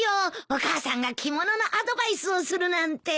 お母さんが着物のアドバイスをするなんて。